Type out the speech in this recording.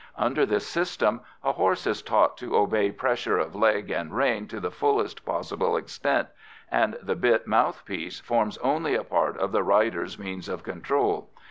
Under this system a horse is taught to obey pressure of leg and rein to the fullest possible extent, and the bit mouthpiece forms only a part of the rider's means of control.